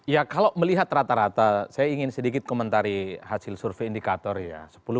ya kalau melihat rata rata saya ingin sedikit komentari hasil survei indikator ya